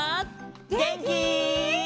げんき？